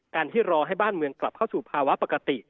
การที่รอให้บ้านเมืองกลับเข้าสู่ภาวะปกติ